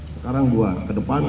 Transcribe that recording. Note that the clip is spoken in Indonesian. sekarang dua kedepan